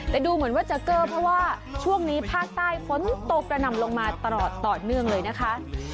แต่ดูเหมือนว่าจะเกอร์เพราะว่าช่วงนี้ภาคใต้ฝนตกกระหน่ำลงมาตลอดต่อเนื่องเลยนะคะ